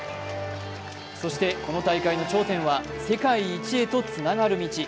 そしてこの大会の頂点は世界一につながる道。